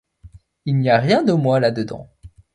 Il n'y a rien de moi là-dedans.